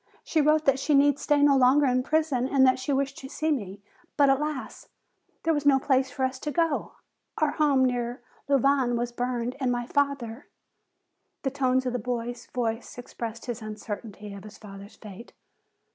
She wrote that she need stay no longer in prison and that she wished to see me, but alas, there was no place for us to go! Our home near Louvain was burned and my father " The tones of the boy's voice expressed his uncertainty of his father's fate.